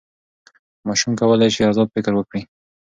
ماشوم کولی سي ازاد فکر وکړي.